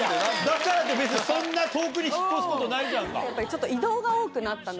だからって別にそんな遠くに引っ越すことないじゃんか。